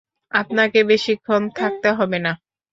আপনাকে বেশিক্ষণ থাকতে হবে না।